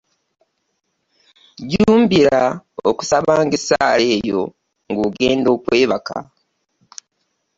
Jjumbira okusabanga essaala eyo ng'ogenda okwebaka.